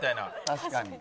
確かに。